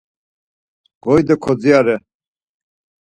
Gori do kodzirare!